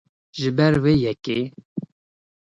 Ji ber vê yekê